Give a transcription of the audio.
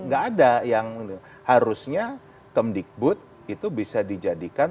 gak ada yang harusnya kemdikbud itu bisa dijadikan